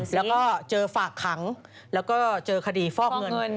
แล้วก็เจอฝากขังแล้วก็เจอคดีฟอกเงิน